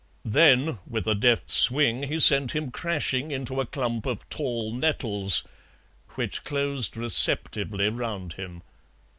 Then, with a deft swing he sent him crashing into a clump of tall nettles, which closed receptively round him.